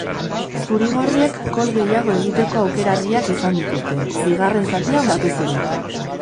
Zuri-gorriek gol gehiago egiteko aukera argiak izan dituzte, bigarren zatian batez ere.